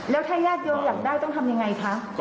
แล้วถ้าญาติโยมอยากได้ต้องทำยังไงคะ